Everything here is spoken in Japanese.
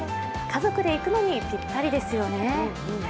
家族で行くのにぴったりですよね。